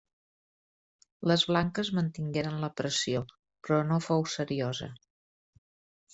Les blanques mantingueren la pressió, però no fou seriosa.